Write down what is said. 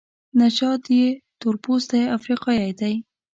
نژاد یې تورپوستی افریقایی دی.